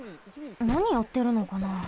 なにやってるのかな？